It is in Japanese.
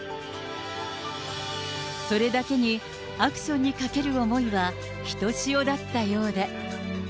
それだけに、アクションにかける思いはひとしおだったようで。